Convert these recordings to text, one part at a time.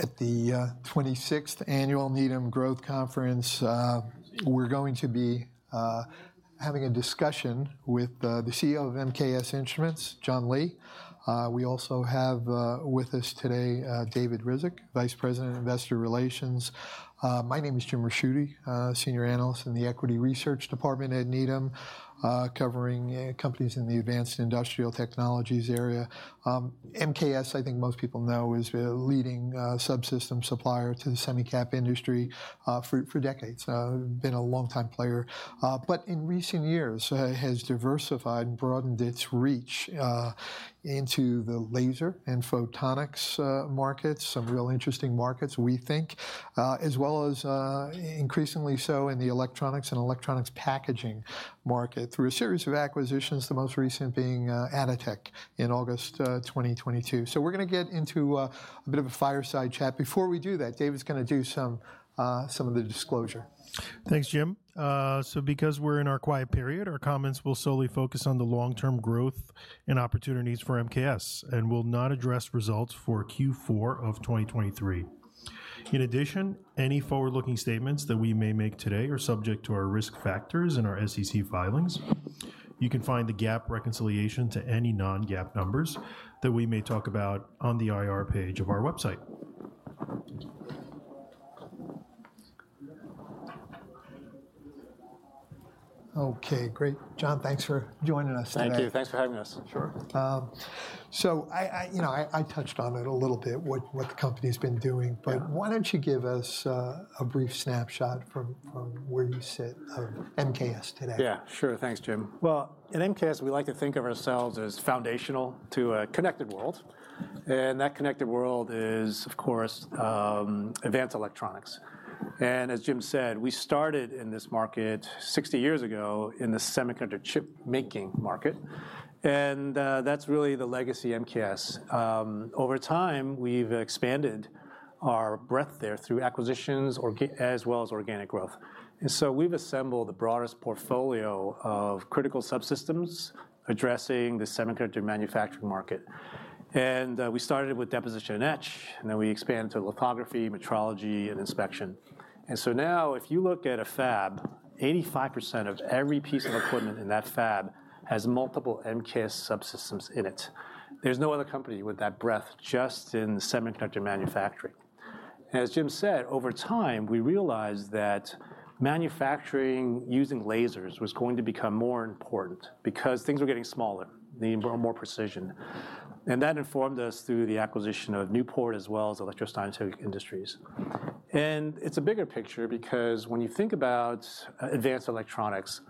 At the 26th Annual Needham Growth Conference. We're going to be having a discussion with the CEO of MKS Instruments, John Lee. We also have with us today David Ryzhik, Vice President of Investor Relations. My name is Jim Ricchiuti, Senior Analyst in the Equity Research Department at Needham, covering companies in the advanced industrial technologies area. MKS, I think most people know, is a leading subsystem supplier to the semi-cap industry, for decades, been a longtime player. But in recent years, has diversified and broadened its reach, into the laser and photonics markets, some real interesting markets, we think, as well as increasingly so in the electronics and electronics packaging market through a series of acquisitions, the most recent being Atotech in August 2022. So we're gonna get into a bit of a fireside chat. Before we do that, David's gonna do some of the disclosure. Thanks, Jim. So because we're in our quiet period, our comments will solely focus on the long-term growth and opportunities for MKS and will not address results for Q4 of 2023. In addition, any forward-looking statements that we may make today are subject to our risk factors and our SEC filings. You can find the GAAP reconciliation to any non-GAAP numbers that we may talk about on the IR page of our website. Okay, great. John, thanks for joining us today. Thank you. Thanks for having us. Sure. So, you know, I touched on it a little bit, what the company's been doing- Yeah but why don't you give us a brief snapshot from where you sit of MKS today? Yeah, sure. Thanks, Jim. Well, at MKS, we like to think of ourselves as foundational to a connected world, and that connected world is, of course, advanced electronics. And as Jim said, we started in this market 60 years ago in the semiconductor chip-making market, and that's really the legacy MKS. Over time, we've expanded our breadth there through acquisitions as well as organic growth. And so we've assembled the broadest portfolio of critical subsystems addressing the semiconductor manufacturing market. And we started with deposition and etch, and then we expanded to lithography, metrology, and inspection. And so now, if you look at a fab, 85% of every piece of equipment in that fab has multiple MKS subsystems in it. There's no other company with that breadth just in semiconductor manufacturing. As Jim said, over time, we realized that manufacturing using lasers was going to become more important because things were getting smaller, needing more and more precision. And that informed us through the acquisition of Newport as well as Electro Scientific Industries. And it's a bigger picture because when you think about advanced electronics,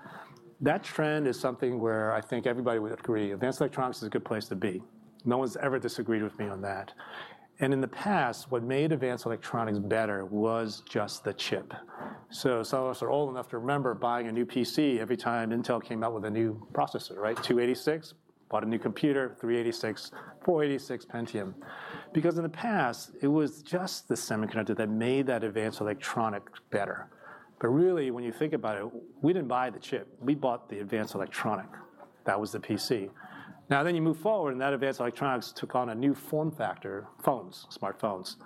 that trend is something where I think everybody would agree, advanced electronics is a good place to be. No one's ever disagreed with me on that. And in the past, what made advanced electronics better was just the chip. So some of us are old enough to remember buying a new PC every time Intel came out with a new processor, right? 286, bought a new computer, 386, 486 Pentium. Because in the past, it was just the semiconductor that made that advanced electronics better. But really, when you think about it, we didn't buy the chip. We bought the advanced electronics. That was the PC. Now, then you move forward, and that advanced electronics took on a new form factor, phones, smartphones.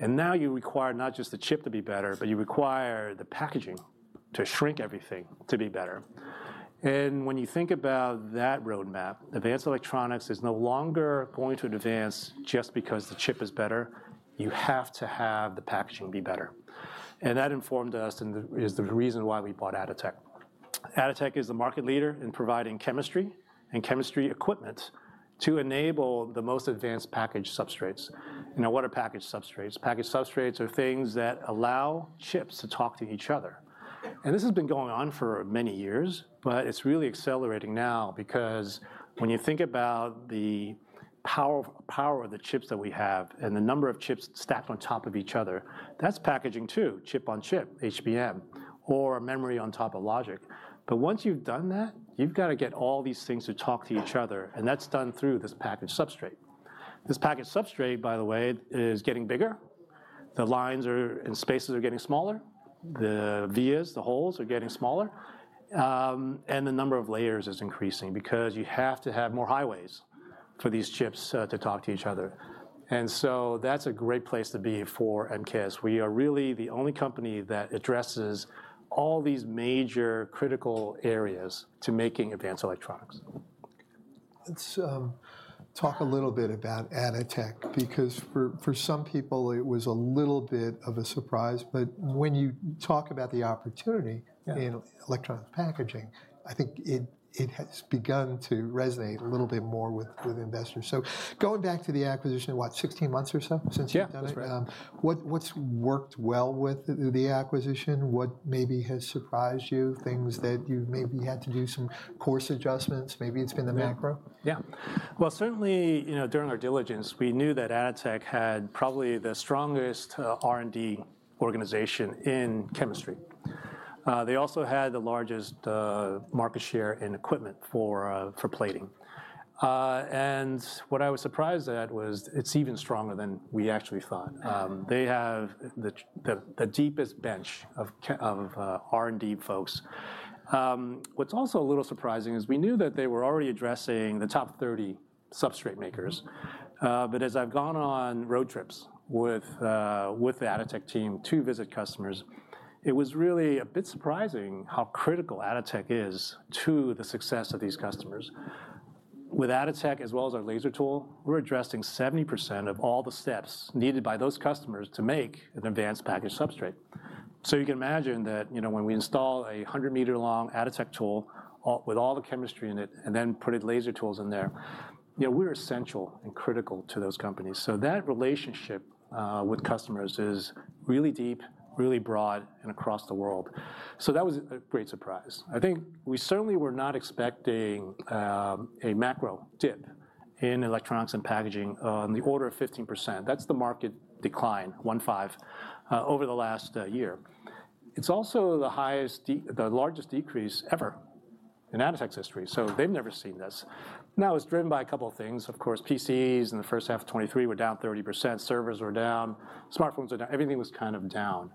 And now you require not just the chip to be better, but you require the packaging to shrink everything to be better. And when you think about that roadmap, advanced electronics is no longer going to advance just because the chip is better. You have to have the packaging be better. And that informed us, and is the reason why we bought Atotech. Atotech is the market leader in providing chemistry and chemistry equipment to enable the most advanced package substrates. Now, what are package substrates? Package substrates are things that allow chips to talk to each other, and this has been going on for many years, but it's really accelerating now because when you think about the power, power of the chips that we have and the number of chips stacked on top of each other, that's packaging, too, chip-on-chip, HBM, or memory on top of logic. But once you've done that, you've gotta get all these things to talk to each other, and that's done through this package substrate. This package substrate, by the way, is getting bigger. The lines and spaces are getting smaller. The vias, the holes, are getting smaller, and the number of layers is increasing because you have to have more highways for these chips to talk to each other. And so that's a great place to be for MKS. We are really the only company that addresses all these major critical areas to making advanced electronics. Let's talk a little bit about Atotech, because for some people, it was a little bit of a surprise. But when you talk about the opportunity- Yeah in electronic packaging, I think it has begun to resonate a little bit more with investors. So going back to the acquisition, what, 16 months or so since you've done it? Yeah, that's right. What's worked well with the acquisition? What maybe has surprised you, things that you maybe had to do some course adjustments? Maybe it's been the macro. Yeah. Yeah. Well, certainly, you know, during our diligence, we knew that Atotech had probably the strongest R&D organization in chemistry. They also had the largest market share in equipment for plating. And what I was surprised at was it's even stronger than we actually thought. They have the deepest bench of R&D folks. What's also a little surprising is we knew that they were already addressing the top 30 substrate makers. But as I've gone on road trips with the Atotech team to visit customers, it was really a bit surprising how critical Atotech is to the success of these customers. With Atotech, as well as our laser tool, we're addressing 70% of all the steps needed by those customers to make an advanced package substrate. So you can imagine that, you know, when we install a 100-meter-long Atotech tool, all with all the chemistry in it, and then putting laser tools in there, you know, we're essential and critical to those companies. So that relationship with customers is really deep, really broad, and across the world. So that was a great surprise. I think we certainly were not expecting a macro dip in electronics and packaging on the order of 15%. That's the market decline, 15, over the last year. It's also the largest decrease ever in Atotech's history, so they've never seen this. Now, it's driven by a couple of things. Of course, PCs in the first half of 2023 were down 30%, servers were down, smartphones were down, everything was kind of down.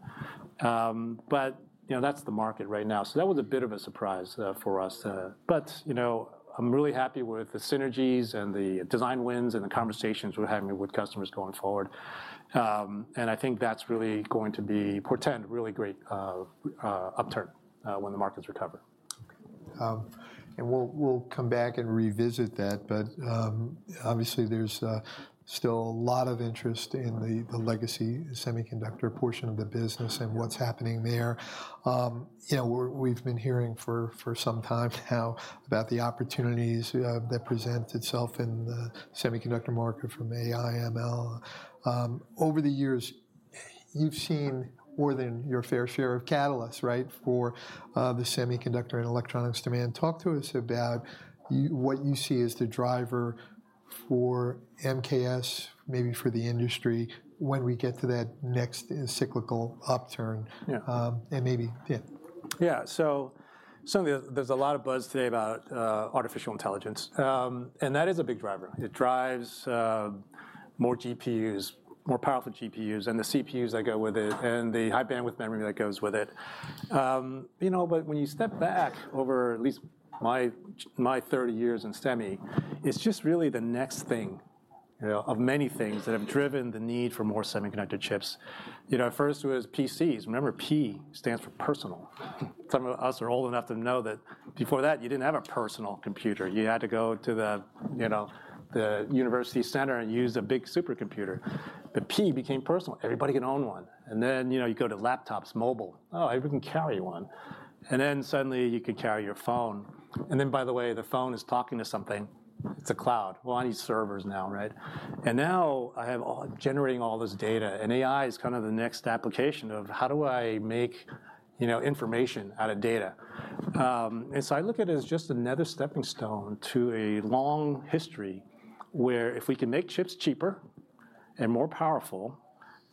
But, you know, that's the market right now. So that was a bit of a surprise for us, but, you know, I'm really happy with the synergies, and the design wins, and the conversations we're having with customers going forward. And I think that's really going to portend a really great upturn when the markets recover. And we'll come back and revisit that, but obviously, there's still a lot of interest in the legacy semiconductor portion of the business- and what's happening there. You know, we've been hearing for some time now about the opportunities that present itself in the semiconductor market from AI, ML. Over the years, you've seen more than your fair share of catalysts, right? For the semiconductor and electronics demand. Talk to us about what you see as the driver for MKS, maybe for the industry, when we get to that next cyclical upturn- Yeah and maybe, yeah. Yeah, so certainly there, there's a lot of buzz today about artificial intelligence, and that is a big driver. It drives more GPUs, more powerful GPUs, and the CPUs that go with it, and the high-bandwidth memory that goes with it. You know, but when you step back over at least my 30 years in semi, it's just really the next thing, you know, of many things that have driven the need for more semiconductor chips. You know, first was PCs. Remember, P stands for personal. Some of us are old enough to know that before that, you didn't have a personal computer. You had to go to the, you know, the university center and use a big supercomputer. But P became personal. Everybody can own one. And then, you know, you go to laptops, mobile. Oh, everyone can carry one." And then, suddenly, you could carry your phone, and then, by the way, the phone is talking to something. It's a cloud. Well, I need servers now, right? And now I have all this data, and AI is kind of the next application of: How do I make, you know, information out of data? And so I look at it as just another stepping stone to a long history, where if we can make chips cheaper and more powerful,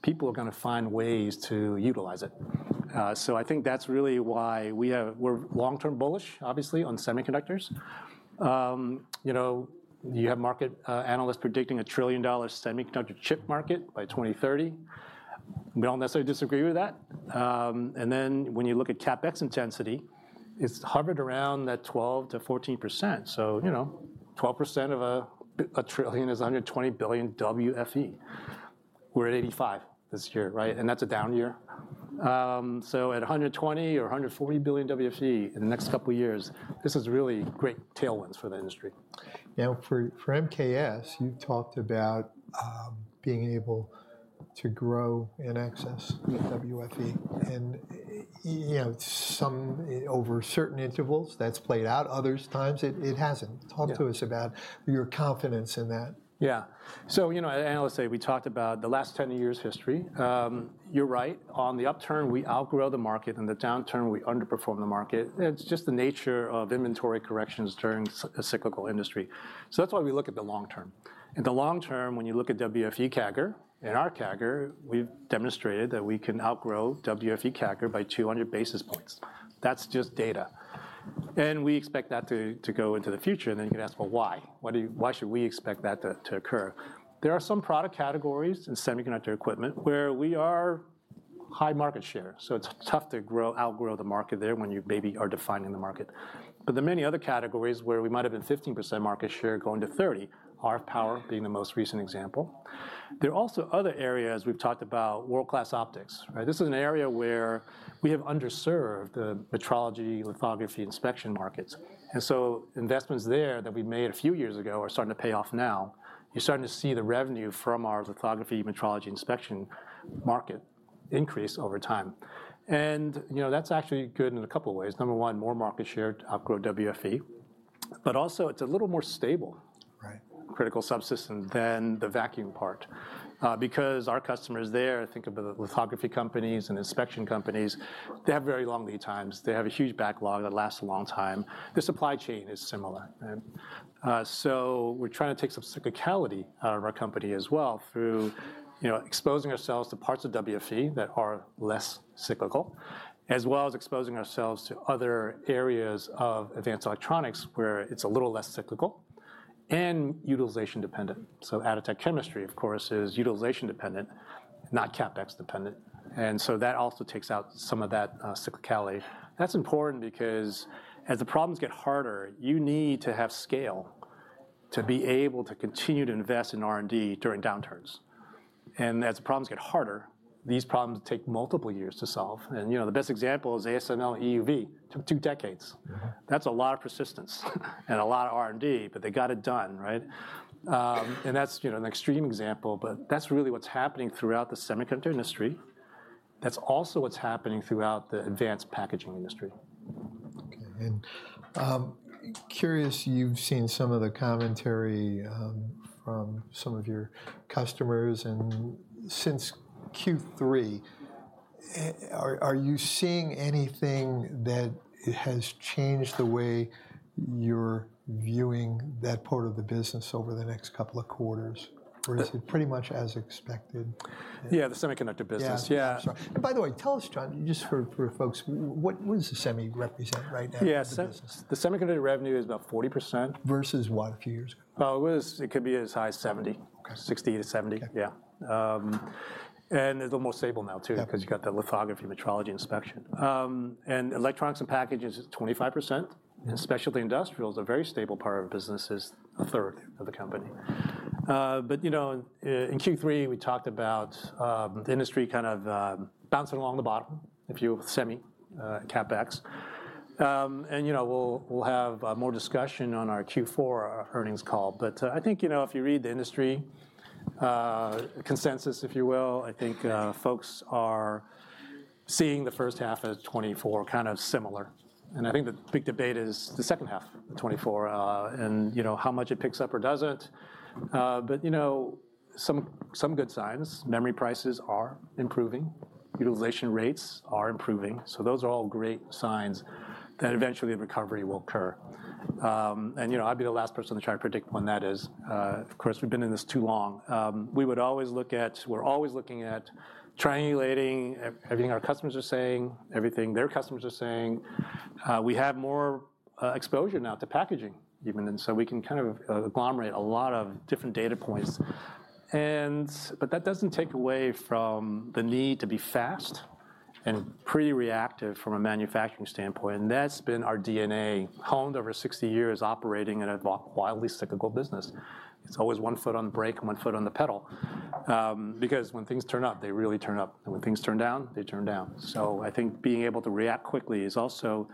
people are gonna find ways to utilize it. So I think that's really why we have—we're long-term bullish, obviously, on semiconductors. You know, you have market analysts predicting a $1 trillion semiconductor chip market by 2030. We don't necessarily disagree with that. and then, when you look at CapEx intensity, it's hovered around that 12%-14%, so, you know, 12% of a trillion is under $20 billion WFE. We're at $85 billion this year, right? That's a down year. So at $120 billion or $140 billion WFE in the next couple of years, this is really great tailwinds for the industry. Now, for MKS, you've talked about being able to grow and access the WFE, and you know, some over certain intervals, that's played out, other times, it hasn't. Yeah. Talk to us about your confidence in that. Yeah. So, you know, at Analyst Day, we talked about the last 10 years' history. You're right. On the upturn, we outgrow the market, and the downturn, we underperform the market. It's just the nature of inventory corrections during a cyclical industry. So that's why we look at the long term. In the long term, when you look at WFE CAGR and our CAGR, we've demonstrated that we can outgrow WFE CAGR by 200 basis points. That's just data. And we expect that to go into the future, and then you can ask, "Well, why? Why should we expect that to occur?" There are some product categories in semiconductor equipment where we are high market share, so it's tough to outgrow the market there when you maybe are defining the market. But there are many other categories where we might have been 15% market share going to 30, RF Power being the most recent example. There are also other areas we've talked about, world-class optics, right? This is an area where we have underserved the metrology, lithography, inspection markets, and so investments there that we made a few years ago are starting to pay off now. You're starting to see the revenue from our lithography, metrology, inspection market increase over time. And, you know, that's actually good in a couple of ways. Number one, more market share to outgrow WFE, but also it's a little more stable- Right... critical subsystem than the vacuum part. Because our customers there, think about the lithography companies and inspection companies, they have very long lead times. They have a huge backlog that lasts a long time. The supply chain is similar, right? So we're trying to take some cyclicality out of our company as well, through, you know, exposing ourselves to parts of WFE that are less cyclical, as well as exposing ourselves to other areas of advanced electronics, where it's a little less cyclical and utilization dependent. So Atotech chemistry, of course, is utilization dependent... not CapEx dependent. And so that also takes out some of that cyclicality. That's important because as the problems get harder, you need to have scale to be able to continue to invest in R&D during downturns. And as the problems get harder, these problems take multiple years to solve. And, you know, the best example is ASML EUV, took two decades. That's a lot of persistence, and a lot of R&D, but they got it done, right? And that's, you know, an extreme example, but that's really what's happening throughout the semiconductor industry. That's also what's happening throughout the advanced packaging industry. Okay, and curious, you've seen some of the commentary from some of your customers, and since Q3, are you seeing anything that has changed the way you're viewing that part of the business over the next couple of quarters? Or is it pretty much as expected? Yeah, the semiconductor business. Yeah. Yeah. And by the way, tell us, John, just for our folks, what does the semi represent right now? Yeah, se- in the business?... the semiconductor revenue is about 40%. Versus what, a few years ago? It could be as high as 70. Okay. 60-70. Okay. Yeah. And it's almost stable now, too- Yeah cause you've got the lithography, metrology, inspection. And electronics and packaging is 25%, and specialty industrial is a very stable part of the business, is a third of the company. But you know, in Q3, we talked about the industry kind of bouncing along the bottom, if you... semi CapEx. And you know, we'll have more discussion on our Q4 earnings call. But I think you know, if you read the industry consensus, if you will, I think folks are seeing the first half of 2024 kind of similar. And I think the big debate is the second half of 2024, and you know, how much it picks up or doesn't. But you know, some good signs, memory prices are improving. Utilization rates are improving. So those are all great signs that eventually a recovery will occur. You know, I'd be the last person to try to predict when that is. Of course, we've been in this too long. We're always looking at triangulating everything our customers are saying, everything their customers are saying. We have more exposure now to packaging, even, and so we can kind of agglomerate a lot of different data points. But that doesn't take away from the need to be fast and pretty reactive from a manufacturing standpoint, and that's been our DNA, honed over sixty years, operating in a wildly cyclical business. It's always one foot on the brake and one foot on the pedal. Because when things turn up, they really turn up, and when things turn down, they turn down. I think being able to react quickly is also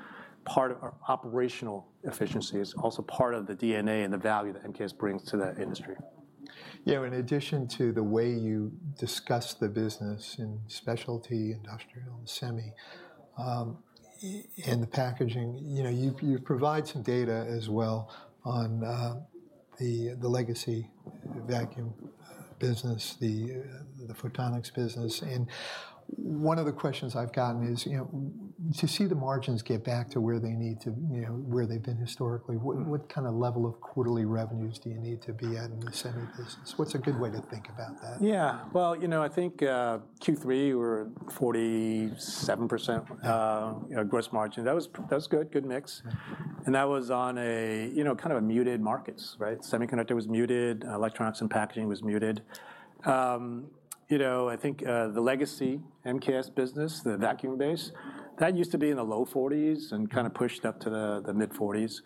part of our operational efficiency. It's also part of the DNA and the value that MKS brings to that industry. You know, in addition to the way you discuss the business in specialty, industrial, and semi, and the packaging, you know, you provide some data as well on the legacy vacuum business, the photonics business. And one of the questions I've gotten is, you know, to see the margins get back to where they need to, you know, where they've been historically, what kind of level of quarterly revenues do you need to be at in the semi business? What's a good way to think about that? Yeah. Well, you know, I think, Q3, we're at 47%, you know, gross margin. That was, that was good, good mix. And that was on a, you know, kind of a muted markets, right? Semiconductor was muted, electronics and packaging was muted. You know, I think, the legacy MKS business, the vacuum base, that used to be in the low 40s and kind of pushed up to the mid-40s.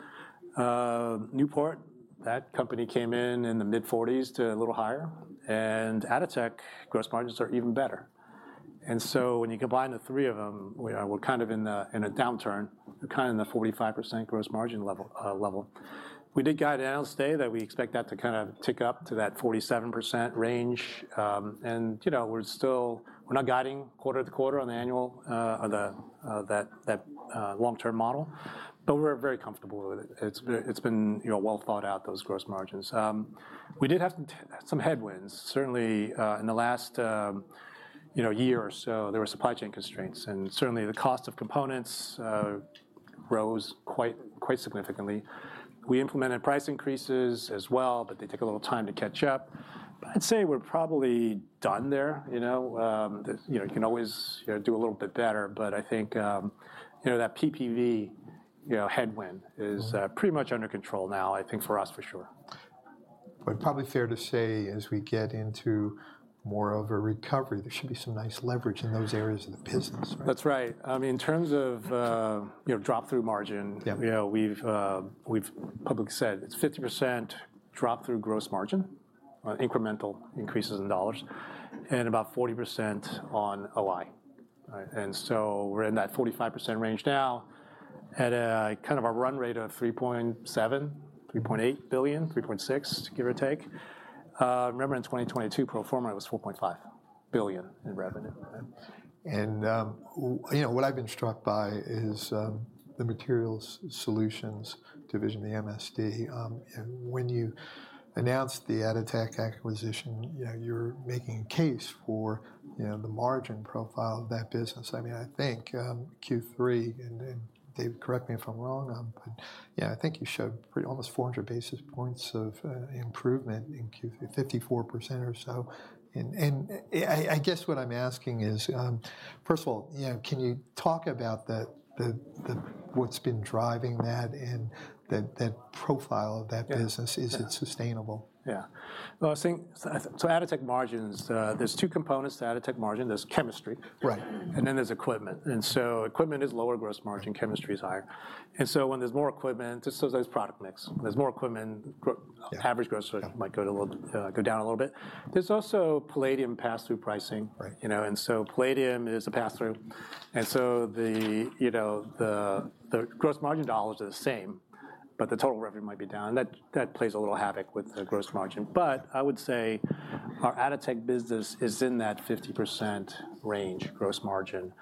Newport, that company came in in the mid-40s to a little higher, and Atotech, gross margins are even better. And so when you combine the three of them, we're kind of in a downturn, kind of in the 45% gross margin level. We did guide yesterday that we expect that to kind of tick up to that 47% range. And, you know, we're still—we're not guiding quarter to quarter on the annual, or the, that long-term model, but we're very comfortable with it. It's been, you know, well thought out, those gross margins. We did have some headwinds, certainly, in the last year or so, you know, there were supply chain constraints, and certainly, the cost of components rose quite significantly. We implemented price increases as well, but they take a little time to catch up. But I'd say we're probably done there, you know. You know, you can always, you know, do a little bit better, but I think, you know, that PPV headwind is, pretty much under control now, I think, for us, for sure. Probably fair to say, as we get into more of a recovery, there should be some nice leverage in those areas of the business, right? That's right. I mean, in terms of, you know, drop-through margin- Yeah you know, we've publicly said it's 50% drop-through gross margin, incremental increases in dollars, and about 40% on OI, right? And so we're in that 45% range now, at a kind of a run rate of $3.7, $3.8 billion, $3.6 billion, give or take. Remember, in 2022, Pro Forma was $4.5 billion in revenue. You know, what I've been struck by is, the Materials Solutions Division, the MSD. And when you announced the Atotech acquisition, yeah, you're making a case for, you know, the margin profile of that business. I mean, I think, Q3, and, and Dave, correct me if I'm wrong, but yeah, I think you showed pretty almost 400 basis points of, improvement in Q3, 54% or so. And, I guess what I'm asking is, first of all, you know, can you talk about what's been driving that and that profile of that business? Yeah. Is it sustainable? Yeah. Well, I think, so Atotech margins, there's two components to Atotech margin: there's chemistry Right and then there's equipment. And so equipment is lower gross margin, chemistry is higher. And so when there's more equipment, just so there's product mix. When there's more equipment, gr- Yeah average gross margin- Yeah might go a little, go down a little bit. There's also palladium pass-through pricing. Right. You know, and so palladium is a pass-through. And so the, you know, the, the gross margin dollars are the same, but the total revenue might be down, and that, that plays a little havoc with the gross margin. But I would say our Atotech business is in that 50% range, gross margin,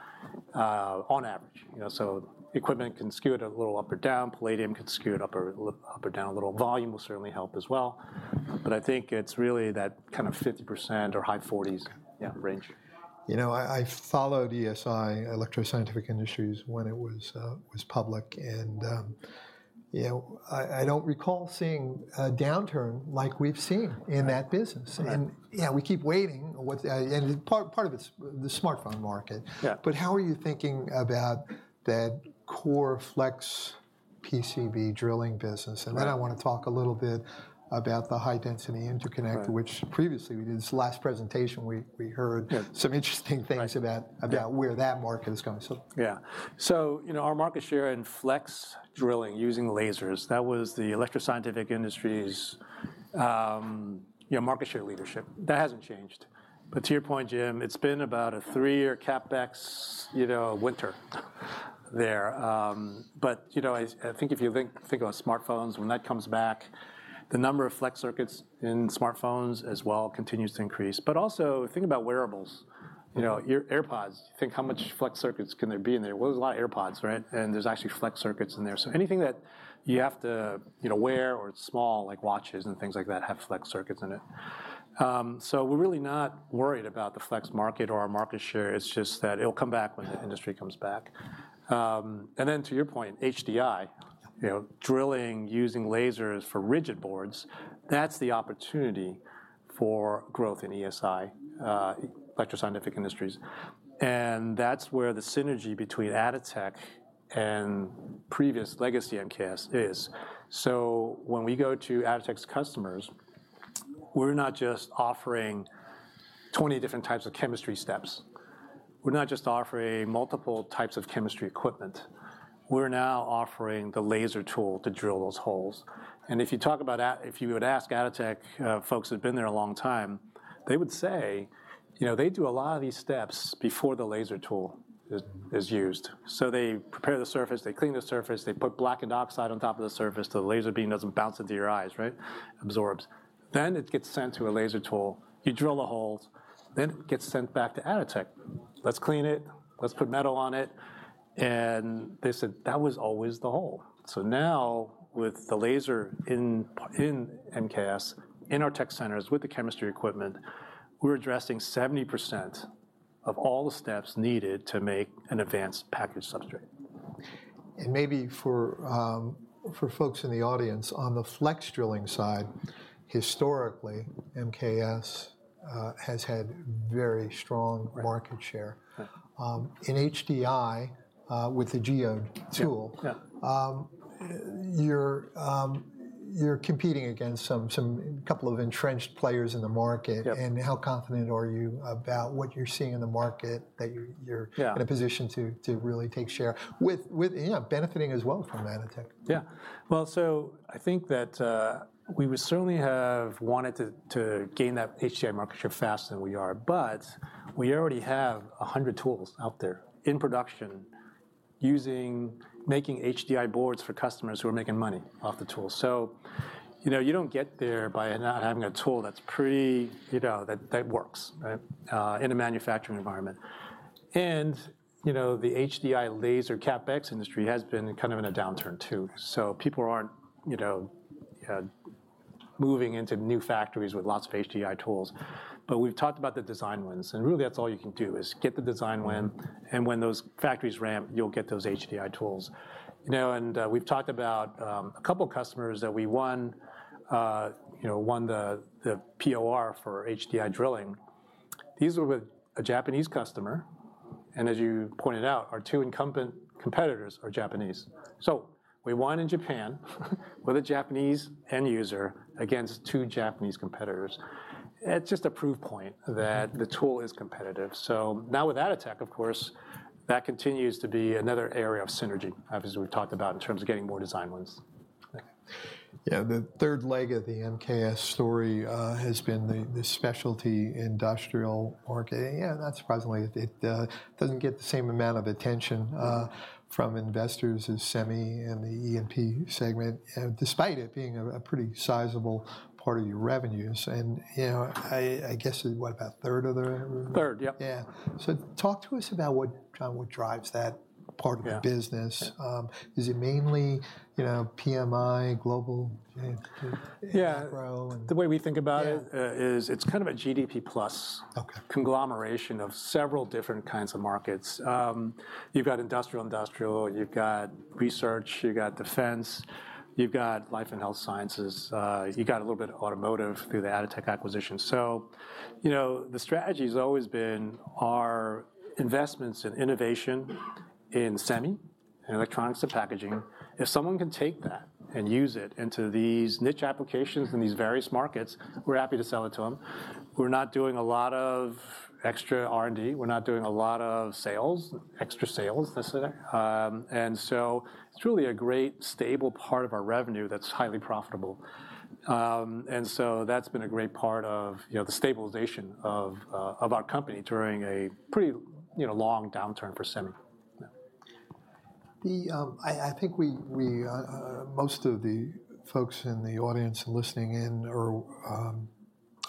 on average. You know, so equipment can skew it a little up or down. Palladium can skew it up or down a little. Volume will certainly help as well. But I think it's really that kind of 50% or high 40s, yeah, range. You know, I followed ESI, Electro Scientific Industries, when it was public and, you know, I don't recall seeing a downturn like we've seen in that business. Right. And, yeah, we keep waiting with, and part of it is the smartphone market. Yeah. But how are you thinking about that core Flex PCB drilling business? Right. And then I want to talk a little bit about the high-density interconnect- Right which previously, we did this last presentation, we heard- Yeah some interesting things about Right about where that market is going. So. Yeah. So, you know, our market share in flex drilling using lasers, that was the Electro Scientific Industries', you know, market share leadership. That hasn't changed. But to your point, Jim, it's been about a 3-year CapEx, you know, winter there. But, you know, I think if you think about smartphones, when that comes back, the number of flex circuits in smartphones as well continues to increase. But also, think about wearables. You know, your AirPods, think how much flex circuits can there be in there. Well, there's a lot of AirPods, right? And there's actually flex circuits in there. So anything that you have to, you know, wear or it's small, like watches and things like that, have flex circuits in it. So we're really not worried about the flex market or our market share. It's just that it'll come back when the industry comes back. And then to your point, HDI, you know, drilling using lasers for rigid boards, that's the opportunity for growth in ESI, Electro Scientific Industries. And that's where the synergy between Atotech and previous legacy MKS is. So when we go to Atotech's customers, we're not just offering 20 different types of chemistry steps. We're not just offering multiple types of chemistry equipment. We're now offering the laser tool to drill those holes. And if you were to ask Atotech, folks who've been there a long time, they would say, you know, they do a lot of these steps before the laser tool is used. So they prepare the surface, they clean the surface, they put black oxide on top of the surface, so the laser beam doesn't bounce into your eyes, right? Absorbs. Then it gets sent to a laser tool. You drill the holes, then it gets sent back to Atotech. Let's clean it, let's put metal on it, and they said, "That was always the hole." So now, with the laser in, in MKS, in our tech centers, with the chemistry equipment, we're addressing 70% of all the steps needed to make an advanced package substrate. And maybe for folks in the audience, on the flex drilling side, historically, MKS has had very strong- Right market share. Right. In HDI, with the Geode tool- Yeah, yeah you're competing against some couple of entrenched players in the market. Yep. How confident are you about what you're seeing in the market? Yeah in a position to really take share with, you know, benefiting as well from Atotech? Yeah. Well, so I think that we would certainly have wanted to gain that HDI market share faster than we are, but we already have 100 tools out there in production using, making HDI boards for customers who are making money off the tool. So, you know, you don't get there by not having a tool that's pretty... You know, that works, right, in a manufacturing environment. And, you know, the HDI laser CapEx industry has been kind of in a downturn, too. So people aren't, you know, moving into new factories with lots of HDI tools. But we've talked about the design wins, and really, that's all you can do, is get the design win, and when those factories ramp, you'll get those HDI tools. You know, and we've talked about a couple customers that we won, you know, won the, the POR for HDI drilling. These were with a Japanese customer, and as you pointed out, our two incumbent competitors are Japanese. So we won in Japan with a Japanese end user against two Japanese competitors. It's just a proof point that the tool is competitive. So now with Atotech, of course, that continues to be another area of synergy, obviously, we've talked about in terms of getting more design wins. Yeah, the third leg of the MKS story has been the specialty industrial market. Yeah, not surprisingly, it doesn't get the same amount of attention from investors as Semi and the E&P segment, despite it being a pretty sizable part of your revenues. And, you know, I guess, what, about a third of the revenue? Third, yep. Yeah. So talk to us about what, John, what drives that part- Yeah - of the business. Is it mainly, you know, PMI, global- Yeah - macro and- The way we think about it- Yeah is it's kind of a GDP plus- Okay conglomeration of several different kinds of markets. You've got industrial, you've got research, you've got defense, you've got life and health sciences, you've got a little bit of automotive through the Atotech acquisition. So, you know, the strategy's always been our investments in innovation in semi, in electronics and packaging. If someone can take that and use it into these niche applications in these various markets, we're happy to sell it to them. We're not doing a lot of extra R&D. We're not doing a lot of sales, extra sales, necessarily. And so it's really a great, stable part of our revenue that's highly profitable. And so that's been a great part of, you know, the stabilization of our company during a pretty, you know, long downturn for semi. Yeah. I think most of the folks in the audience listening in are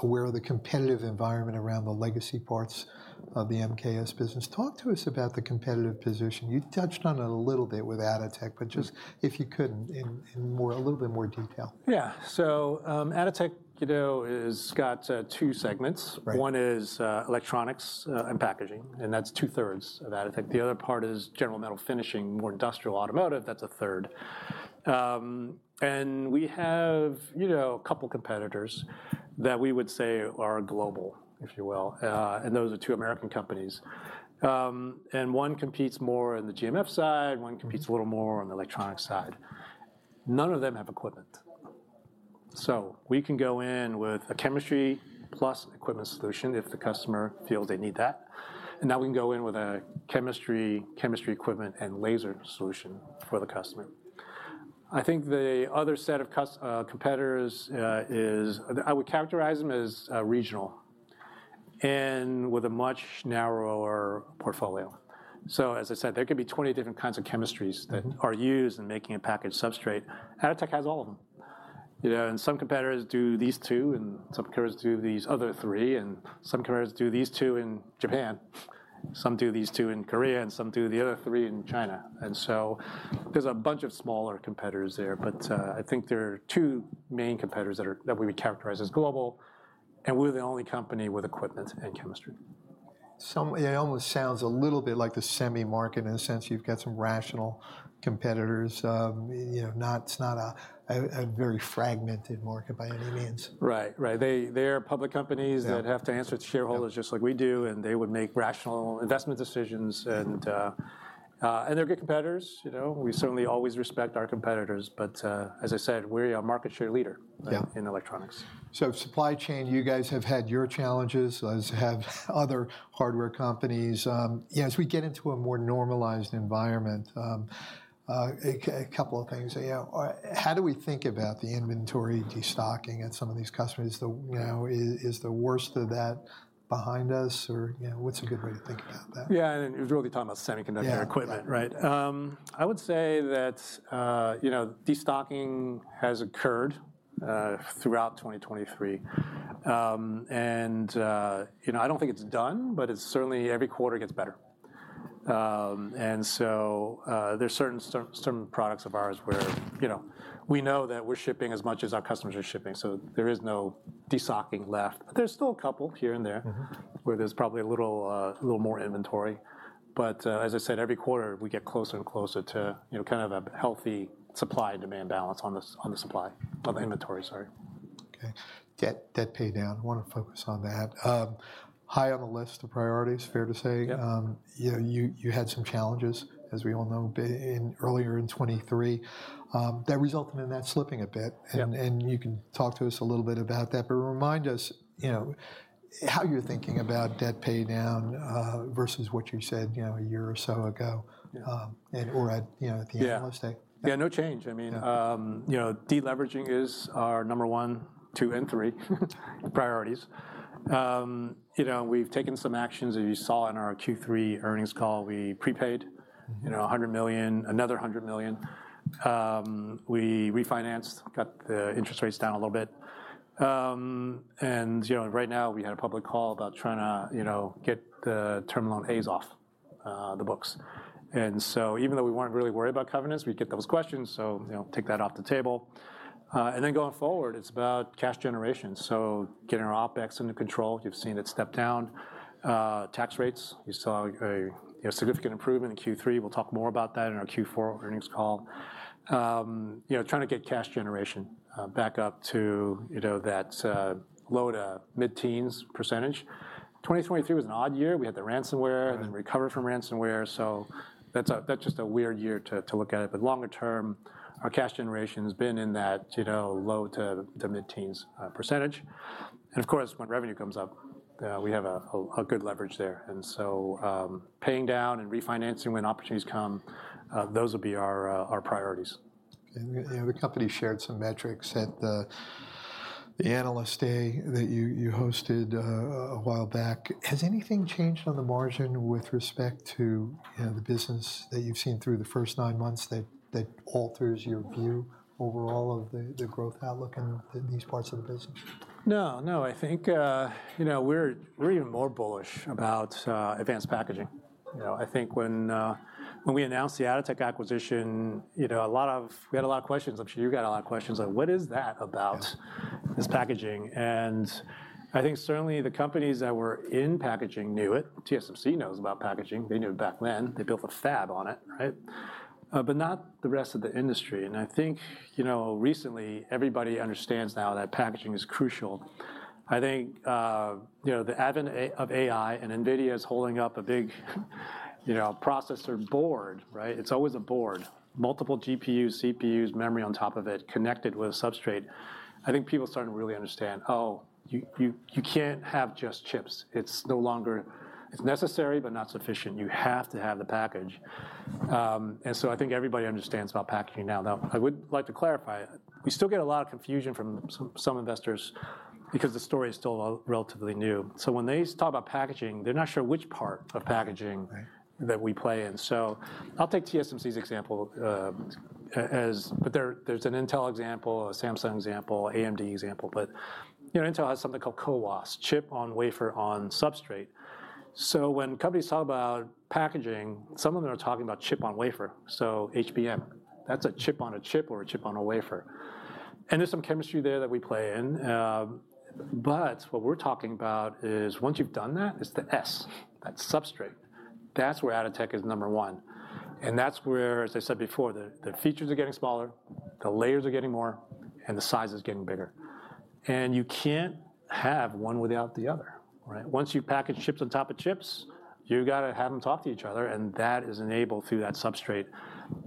aware of the competitive environment around the legacy parts of the MKS business. Talk to us about the competitive position. You touched on it a little bit with Atotech, but just, if you could, in more, a little bit more detail. Yeah. So, Atotech, you know, got two segments. Right. One is, electronics, and packaging, and that's two-thirds of Atotech. The other part is General Metal Finishing, more industrial, automotive, that's a third. And we have, you know, a couple competitors that we would say are global, if you will, and those are two American companies. And one competes more in the GMF side, one competes a little more on the electronics side. None of them have equipment. So we can go in with a chemistry plus equipment solution if the customer feels they need that, and now we can go in with a chemistry, chemistry equipment, and laser solution for the customer. I think the other set of competitors is. I would characterize them as, regional and with a much narrower portfolio. So, as I said, there could be 20 different kinds of chemistries that are used in making a packaged substrate. Atotech has all of them. You know, and some competitors do these two, and some competitors do these other three, and some competitors do these two in Japan. Some do these two in Korea, and some do the other three in China. And so there's a bunch of smaller competitors there, but I think there are two main competitors that we would characterize as global, and we're the only company with equipment and chemistry. It almost sounds a little bit like the semi market in a sense. You've got some rational competitors. You know, it's not a very fragmented market by any means. Right, right. They, they are public companies- Yeah that have to answer to shareholders just like we do, and they would make rational investment decisions, and they're good competitors, you know. We certainly always respect our competitors, but, as I said, we're a market share leader- Yeah - in electronics. So supply chain, you guys have had your challenges, as have other hardware companies. You know, as we get into a more normalized environment, a couple of things, you know, how do we think about the inventory destocking at some of these customers? You know, is the worst of that behind us? Or, you know, what's a good way to think about that? Yeah, you're really talking about semiconductor equipment- Yeah Right? I would say that, you know, de-stocking has occurred throughout 2023. And, you know, I don't think it's done, but it's certainly every quarter gets better. And so, there's certain products of ours where, you know, we know that we're shipping as much as our customers are shipping, so there is no de-stocking left. There's still a couple here and there- Mm-hmm where there's probably a little more inventory. But, as I said, every quarter we get closer and closer to, you know, kind of a healthy supply and demand balance on the supply. On the inventory, sorry. Okay. Debt, debt paydown, want to focus on that. High on the list of priorities, fair to say? Yep. You know, you had some challenges, as we all know, back in earlier in 2023, that resulted in that slipping a bit. Yep. You can talk to us a little bit about that, but remind us, you know, how you're thinking about debt paydown versus what you said, you know, a year or so ago. Yeah and or at, you know, at the end of last day. Yeah. Yeah, no change. Okay. I mean, you know, deleveraging is our number 1, 2, and 3 priorities. You know, we've taken some actions, as you saw in our Q3 earnings call. We prepaid, you know, $100 million, another $100 million. We refinanced, got the interest rates down a little bit. And, you know, right now we had a public call about trying to, you know, get the term loan As off the books. And so even though we weren't really worried about covenants, we'd get those questions, so, you know, take that off the table. And then going forward, it's about cash generation, so getting our OpEx under control, you've seen it step down. Tax rates, you saw a significant improvement in Q3. We'll talk more about that in our Q4 earnings call. You know, trying to get cash generation back up to, you know, that low- to mid-teens percentage. 2023 was an odd year. We had the ransomware- Yeah And then recovered from ransomware, so that's just a weird year to look at it. But longer term, our cash generation's been in that, you know, low- to mid-teens%. And of course, when revenue comes up, we have a good leverage there. And so, paying down and refinancing when opportunities come, those will be our priorities. Okay. Yeah, the company shared some metrics at the Analyst Day that you hosted a while back. Has anything changed on the margin with respect to, you know, the business that you've seen through the first nine months that alters your view overall of the growth outlook in these parts of the business? No, no, I think, you know, we're, we're even more bullish about advanced packaging. You know, I think when we announced the Atotech acquisition, you know, a lot of—we had a lot of questions. I'm sure you got a lot of questions, like, "What is that about this packaging?" And I think certainly the companies that were in packaging knew it. TSMC knows about packaging. They knew it back then. They built a fab on it, right? But not the rest of the industry, and I think, you know, recently, everybody understands now that packaging is crucial. I think, you know, the advent of AI, and NVIDIA is holding up a big, you know, processor board, right? It's always a board, multiple GPUs, CPUs, memory on top of it, connected with a substrate. I think people are starting to really understand, oh, you can't have just chips. It's no longer... It's necessary, but not sufficient. You have to have the package. And so I think everybody understands about packaging now. Now, I would like to clarify, we still get a lot of confusion from some investors because the story is still relatively new. So when they talk about packaging, they're not sure which part of packaging- Right - that we play in. So I'll take TSMC's example, but there, there's an Intel example, a Samsung example, AMD example, but, you know, Intel has something called CoWoS, chip on wafer on substrate. So when companies talk about packaging, some of them are talking about chip on wafer, so HBM. That's a chip on a chip or a chip on a wafer, and there's some chemistry there that we play in. But what we're talking about is, once you've done that, it's the S, that substrate. That's where Atotech is number one, and that's where, as I said before, the features are getting smaller, the layers are getting more, and the size is getting bigger. And you can't have one without the other, right? Once you package chips on top of chips, you've got to have them talk to each other, and that is enabled through that substrate.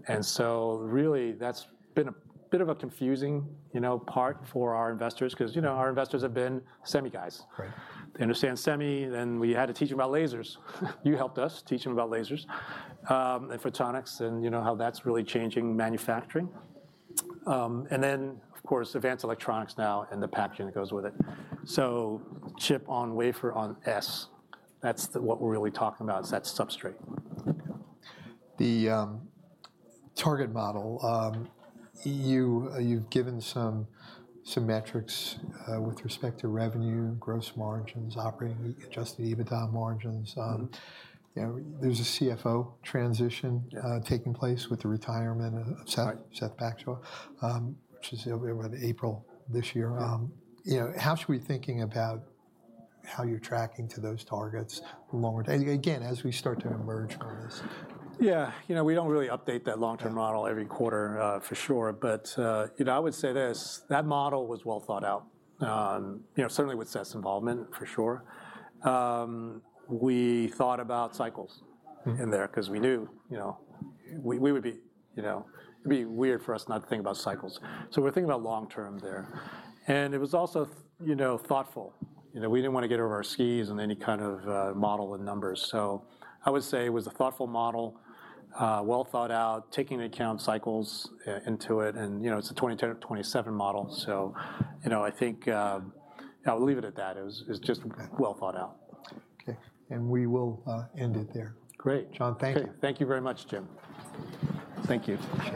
And so really, that's been a bit of a confusing, you know, part for our investors, 'cause, you know, our investors have been semi guys. Right. They understand semi, and we had to teach them about lasers. You helped us teach them about lasers, and photonics, and you know how that's really changing manufacturing. And then, of course, advanced electronics now and the packaging that goes with it. So chip on wafer on S, what we're really talking about is that substrate. The target model. You've given some metrics with respect to revenue, gross margins, operating adjusted EBITDA margins. Mm-hmm. You know, there's a CFO transition- Yeah - taking place with the retirement of Seth- Right Seth Bagshaw, which is over April this year. Yeah. You know, how should we be thinking about how you're tracking to those targets longer term, again, as we start to emerge from this? Yeah, you know, we don't really update that long-term model- Yeah Every quarter, for sure. But, you know, I would say this, that model was well thought out. You know, certainly with Seth's involvement, for sure. We thought about cycles in there- Mm-hmm Because we knew, you know, we, we would be you know, it'd be weird for us not to think about cycles. So we're thinking about long term there. And it was also, you know, thoughtful. You know, we didn't want to get over our skis in any kind of model and numbers. So I would say it was a thoughtful model, well thought out, taking into account cycles into it, and, you know, it's a 2010-2027 model. So, you know, I think, I'll leave it at that. It was, it's just- Okay Well thought out. Okay, and we will end it there. Great. John, thank you. Thank you very much, Jim. Thank you.